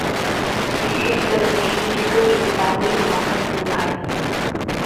Spesies seterusnya ini juga diketahui memakan tumbuhan